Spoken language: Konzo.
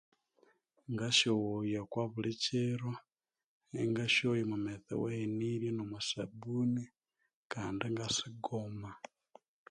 Ngasyoghaya okwa bulikyiro, ingasyoya omwa maghetse awa henirye, nomwa sabuni kandi ingasigoma.